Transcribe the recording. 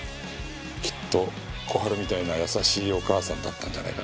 きっと小春みたいな優しいお母さんだったんじゃないか？